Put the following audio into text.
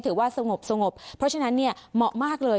สงบสงบเพราะฉะนั้นเนี่ยเหมาะมากเลย